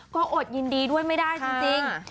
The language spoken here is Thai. ก็อดยินดีด้วยไม่ได้จริง